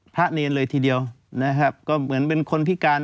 เนรเลยทีเดียวนะครับก็เหมือนเป็นคนพิการ